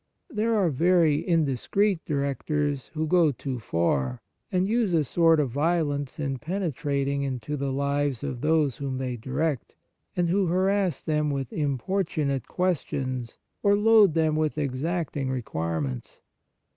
They are very indiscreet directors who go too far, and use a sort of violence in penetrating into the lives of those whom they direct, and who harass them with importunate ques tions or load them with exacting requirements.